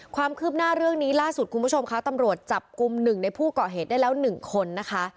ความคืบหน้าเรื่องนี้ล่าสุดคุณผู้ชมคะตำรวจจับกลุ่ม๑ในผู้เกาะเหตุได้แล้ว๑คนนะคะ